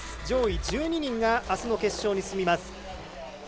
上位１２人があすの決勝に進みます。